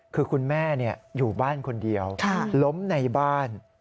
คือคุณแม่อยู่บ้านคนเดียวล้มในบ้าน